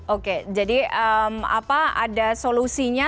oke jadi ada solusinya